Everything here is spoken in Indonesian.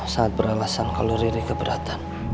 sangat beralasan kalau riri keberatan